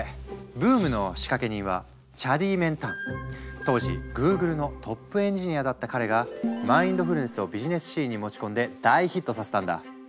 ブームの仕掛け人は当時グーグルのトップエンジニアだった彼がマインドフルネスをビジネスシーンに持ち込んで大ヒットさせたんだ。